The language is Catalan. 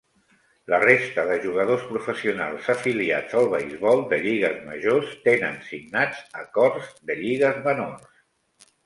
La resta de jugadors professionals afiliats al beisbol de lligues majors tenen signats acords de lligues menors.